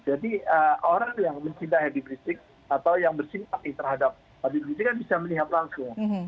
jadi orang yang mencinta happy briefing atau yang bersimpati terhadap happy briefing kan bisa melihat langsung